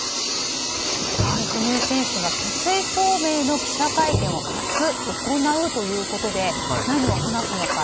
羽生選手が決意表明の記者会見を明日、行うということで何を話すのか。